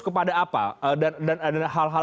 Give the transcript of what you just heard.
kepada apa dan ada hal hal